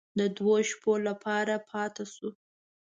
د دوو شپو لپاره پاتې شوو.